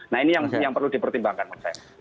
nah ini yang perlu dipertimbangkan menurut saya